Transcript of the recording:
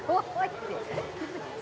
って。